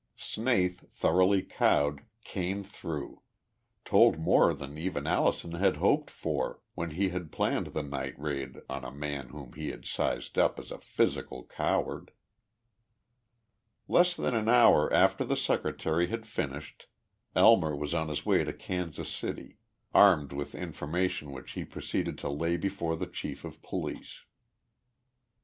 Snaith, thoroughly cowed, "came through" told more than even Allison had hoped for when he had planned the night raid on a man whom he had sized up as a physical coward. Less than an hour after the secretary had finished, Elmer was on his way to Kansas City, armed with information which he proceeded to lay before the chief of police.